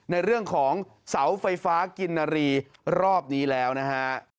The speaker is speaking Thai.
ในเรื่องของเสาไฟฟ้ากินนารีรอบนี้แล้วนะฮะ